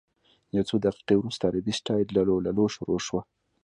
یو څو دقیقې وروسته عربي سټایل لللووللوو شروع شوه.